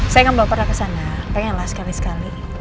saya ngambil para kesana pengenlah sekali sekali